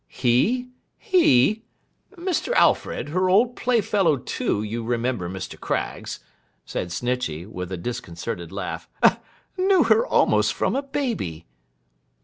'He, he! Mr. Alfred, her old playfellow too, you remember, Mr. Craggs,' said Snitchey, with a disconcerted laugh; 'knew her almost from a baby!